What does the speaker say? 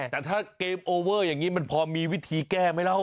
แต่ถ้าเกมโอเวอร์อย่างนี้มันพอมีวิธีแก้ไหมล่ะ